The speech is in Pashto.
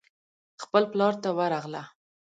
خپل پلار ته ورغله.